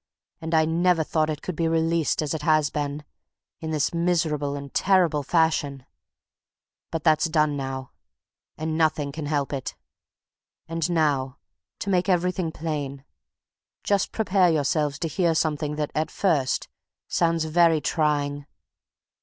And I never thought it could be released as it has been, in this miserable and terrible fashion! But that's done now, and nothing can help it. And now, to make everything plain, just prepare yourselves to hear something that, at first, sounds very trying.